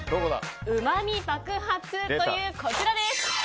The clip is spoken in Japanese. うまみ爆発というこちら。